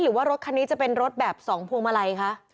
หรือว่ารถคันนี้จะเป็นรถแบบ๒พวงมาลัยคะ